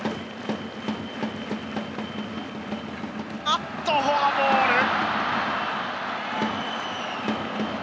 あっとフォアボール。